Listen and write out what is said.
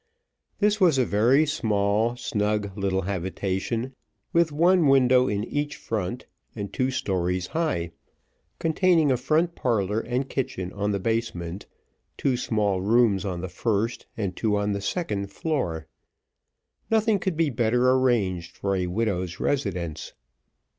This was a very small, snug little habitation, with one window in each front, and two stories high; containing a front parlour and kitchen on the basement, two small rooms on the first, and two on the second floor. Nothing could be better arranged for a widow's residence.